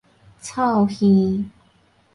噪耳